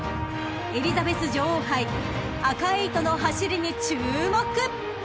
［エリザベス女王杯アカイイトの走りに注目！］